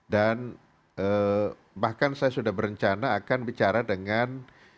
dan bahkan saya sudah berencana akan bicara dengan